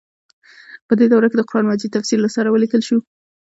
په دې دوره کې د قران مجید تفسیر له سره ولیکل شو.